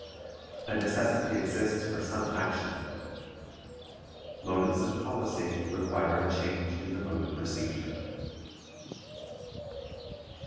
A necessity exists for some action. Motives of policy require a change in the mode of procedure.